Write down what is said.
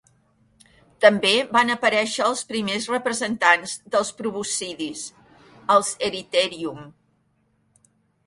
També van aparèixer els primers representants dels proboscidis, els "Eritherium".